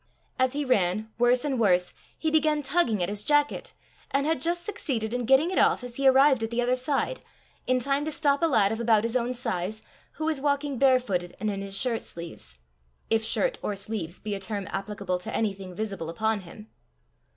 As he ran, worse and worse! he began tugging at his jacket, and had just succeeded in getting it off as he arrived at the other side, in time to stop a lad of about his own size, who was walking bare footed and in his shirt sleeves if shirt or sleeves be a term applicable to anything visible upon him.